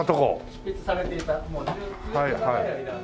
執筆されていた長い間。